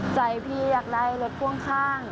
ใจพี่อยากได้รถพ่วงข้าง